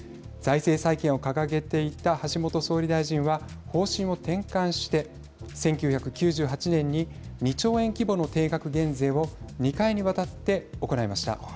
方針を掲げていた橋本総理大臣は方針を転換して１９９８年に２兆円規模の定額減税を２回にわたって行いました。